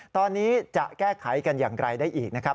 ตอนนี้จะแก้ไขกันอย่างไรได้อีกนะครับ